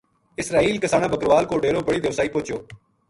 اسرائیل کسانہ بکروال کو ڈیرو بڑ ی دیواسئی پوہچیو